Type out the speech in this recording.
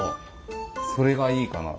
それがいいかな。